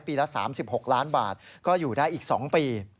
ละ๓๖ล้านบาทก็อยู่ได้อีก๒ปี